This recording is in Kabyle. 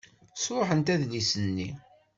Sṛuḥent adlis-nni.